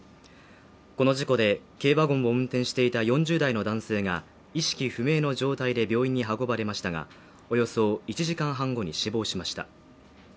この事故で軽ワゴンを運転していた４０代の男性が意識不明の状態で病院に運ばれましたがおよそ１時間半後に死亡しました。